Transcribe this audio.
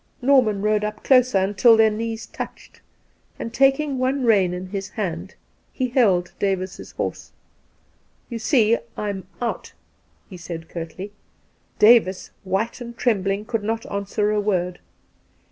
Norman rode up closer until their knees touched, and taking one rein in his hand, he held Davis's horse. " You see I'm out," he said curtly. Davis, white and trembling, could not answer a word.